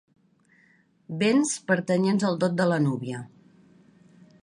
Béns pertanyents al dot de la núvia.